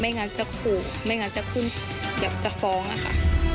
ไม่งั้นจะโขไม่งั้นจะขึ้นอยากจะฟ้องอ่ะค่ะ